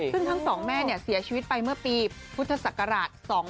ซึ่งทั้งสองแม่เสียชีวิตไปเมื่อปีพุทธศักราช๒๕๖